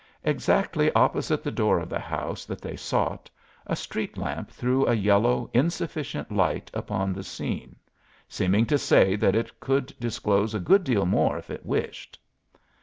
Exactly opposite the door of the house that they sought a street lamp threw a yellow, insufficient light upon the scene, seeming to say that it could disclose a good deal more if it wished.